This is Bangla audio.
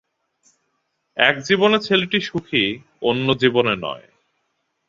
এক জীবনে ছেলেটি সুখী-অন্য জীবনে নয়।